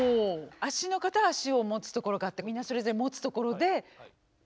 足の方は足を持つところがあってみんなそれぞれ持つところで。